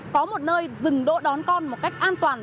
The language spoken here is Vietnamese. có một nơi dừng đỗ đón con một cách an toàn